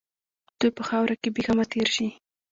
دوی په خاوره کې بېغمه تېر شي.